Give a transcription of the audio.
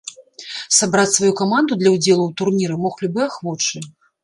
Сабраць сваю каманду для ўдзелу ў турніры мог любы ахвочы.